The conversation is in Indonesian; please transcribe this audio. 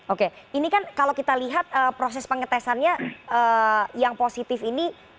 oke ini kan kalau kita lihat proses pengetesannya yang positif ini